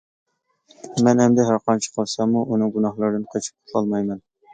مەن ئەمدى ھەر قانچە قىلساممۇ ئۇنىڭ گۇناھلىرىدىن قېچىپ قۇتۇلالمايمەن.